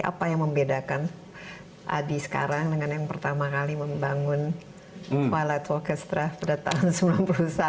apa yang membedakan adi sekarang dengan yang pertama kali membangun pilot orkestra pada tahun sembilan puluh satu